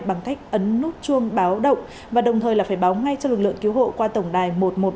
bằng cách ấn nút chuông báo động và đồng thời là phải báo ngay cho lực lượng cứu hộ qua tổng đài một trăm một mươi ba